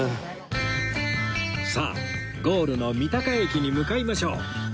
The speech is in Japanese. さあゴールの三鷹駅に向かいましょう